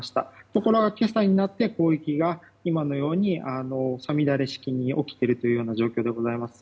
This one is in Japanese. ところが今朝になって攻撃が今のように、さみだれ式に起きているという状況です。